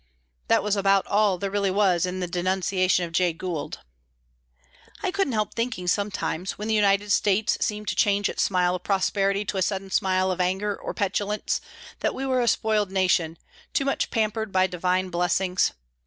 That was about all there really was in the denunciation of Jay Gould. I couldn't help thinking sometimes, when the United States seemed to change its smile of prosperity to a sudden smile of anger or petulance, that we were a spoiled nation, too much pampered by divine blessings.